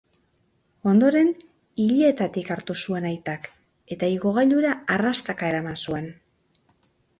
Ondoren, ileetatik hartu zuen aitak, eta igogailura arrastaka eraman zuen.